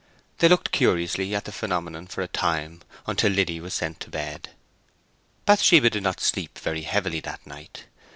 They looked curiously at the phenomenon for a time, until Liddy was sent to bed. Bathsheba did not sleep very heavily that night.